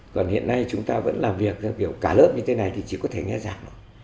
còn hiện nay chúng ta vẫn làm việc cả lớp như thế này thì chỉ có thể nghe giảng